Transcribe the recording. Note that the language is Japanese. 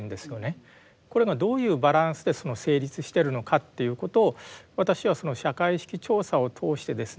これがどういうバランスで成立してるのかっていうことを私はその社会意識調査を通してですね